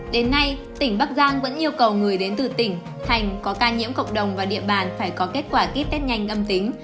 đến nay tỉnh bắc giang vẫn yêu cầu người đến từ tỉnh thành có ca nhiễm cộng đồng và địa bàn phải có kết quả kit test nhanh âm tính